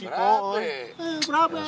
eh berat bang